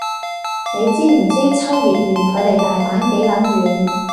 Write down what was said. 你知唔知秋葉原距離大阪幾撚遠